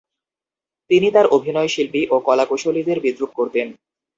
তিনি তার অভিনয়শিল্পী ও কলাকুশলীদের বিদ্রুপ করতেন।